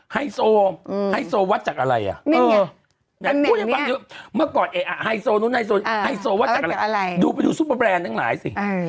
ไฮโซไฮโซวัดจากอะไรอ่ะไหนคนยังวัดเยอะเมื่อก่อนไฮโซนู้นไฮโซวัดจากอะไรดูไปดูซุปเปอร์แบรนด์ทั้งหลายสิ